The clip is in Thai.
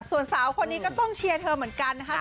ส่วนสาวคนนี้ก็ต้องเชียร์เธอเหมือนกันนะคะ